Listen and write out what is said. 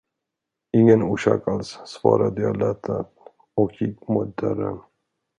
Ingen orsak alls, svarade jag lättad och gick mot dörren.